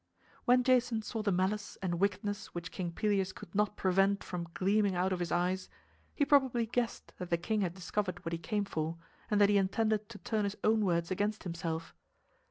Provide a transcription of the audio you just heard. When Jason saw the malice and wickedness which King Pelias could not prevent from gleaming out of his eyes, he probably guessed that the king had discovered what he came for, and that he intended to turn his own words against himself.